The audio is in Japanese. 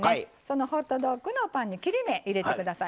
ホットドッグのパンに切れ目を入れてください。